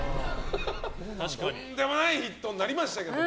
とんでもないヒットになりましたけど。